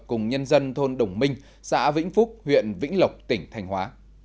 cùng nhân dân thôn đồng minh xã vĩnh phúc huyện vĩnh lộc tỉnh thành hóa